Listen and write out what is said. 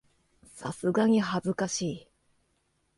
さすがに恥ずかしい